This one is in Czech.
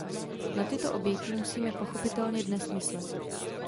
Na tyto oběti musíme pochopitelně dnes myslet.